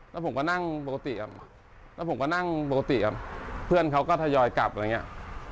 แล้วผมก็นั่งปกติครับแล้วผมก็นั่งปกติครับเพื่อนเขาก็ทยอยกลับอะไรอย่างนี้